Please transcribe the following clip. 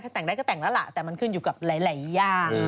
แต่งได้ก็แต่งแล้วล่ะแต่มันขึ้นอยู่กับหลายอย่าง